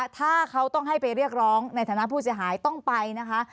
ถ้าเขาต้องให้ไปเรียกร้องในฐานะผู้เสียหายต้องไปนะคะ